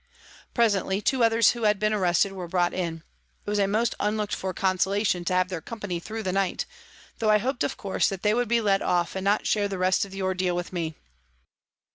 Presently, two others who had been arrested were brought in. It was a most unlooked for consolation to have their company through the night, though I hoped, of course, that they would be let off and not share the rest of the ordeal with me.